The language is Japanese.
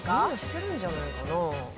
みんなしてるんじゃないかな？